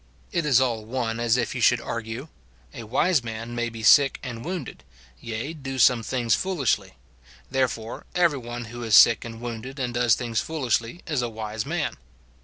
It is all one as if you should argue : A wise man may be sick and wounded, yea, do some things foolishly ; therefore, every one who is sick and wounded and does things foolishly is a wise man.